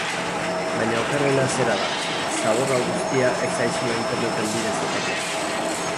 Baina okerrena zera da, zabor hau guztia ez zaizula Interneten bidez etorri.